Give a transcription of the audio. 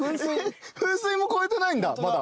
噴水も越えてないんだまだ。